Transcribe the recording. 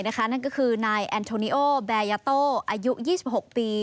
นั่นก็คือนายแอนโทนิโอแบยาโต้อายุ๒๖ปี